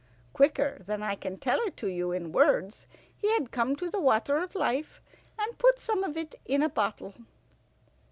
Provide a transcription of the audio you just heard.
Quicker than I can tell it you in words he had come to the water of life, and put some of it in a bottle.